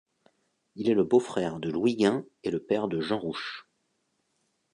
Il est le beau-frère de Louis Gain et le père de Jean Rouch.